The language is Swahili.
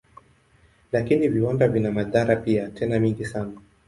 Lakini viwanda vina madhara pia, tena mengi sana.